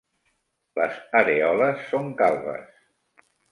Les arèoles són calbes.